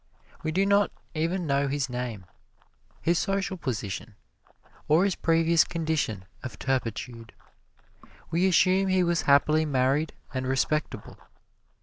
We do not even know his name, his social position, or his previous condition of turpitude. We assume he was happily married and respectable.